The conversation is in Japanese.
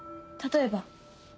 例えば。